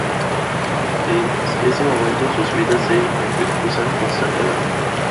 Desde ese momento sus vidas se entrecruzan constantemente.